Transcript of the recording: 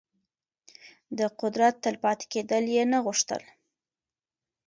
د قدرت تل پاتې کېدل يې نه غوښتل.